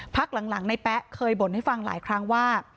พักหลังในแป๊ะเคยบ่นให้ฟังหลายครั้งว่า